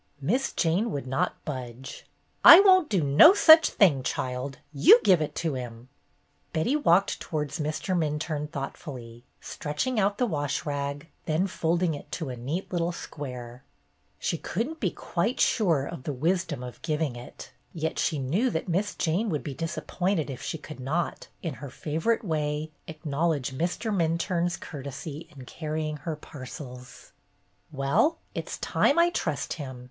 Miss Jane would not budge. "I won't do no such thing, child. You give it to him." Betty walked towards Mr. Minturne thoughtfully, stretching out the wash rag, then folding it to a neat little square. She could n't be quite sure of the wisdom of giving it. Yet she knew that Miss Jane would be disappointed if she could not, in her favorite THE TWINE WASH RAG 159 way, acknowledge Mr. Minturne's courtesy in carrying her parcels. "Well, it "s time I trust him.